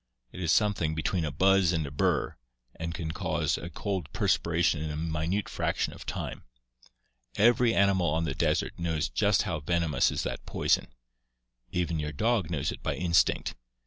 It is something between a buzz and a burr, and can cause a cold perspiration in a minute fraction of time. ... Every animal on the desert knows just how venomous is that poison. Even your dog knows it by instinct.